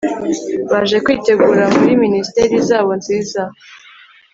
Baje kwitegura muri minisiteri zabo nziza